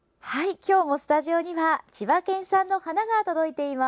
今日もスタジオには千葉県産の花が届いています。